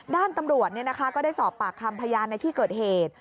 ด้านตำรวจก็ได้สอบปากคำพยานในที่เกิดเหตุ